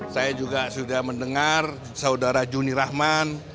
saya juga sudah mendengar saudara juni rahman